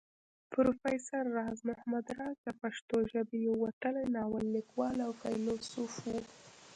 پروفېسر راز محمد راز د پښتو ژبې يو وتلی ناول ليکوال او فيلسوف وو